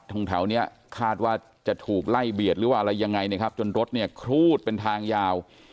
แถวเนี้ยคาดว่าจะถูกไล่เบียดหรือว่าอะไรยังไงนะครับจนรถเนี่ยครูดเป็นทางยาว